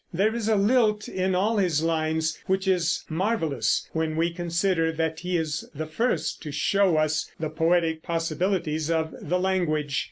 There is a lilt in all his lines which is marvelous when we consider that he is the first to show us the poetic possibilities of the language.